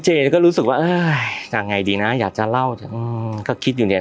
ก็รู้สึกว่าเออยังไงดีนะอยากจะเล่าอืมก็คิดอยู่เนี่ย